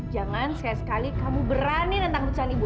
jangan sekali sekali kamu berani tentang pecahan ibu